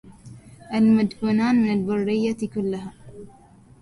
المدنفان من البرية كلها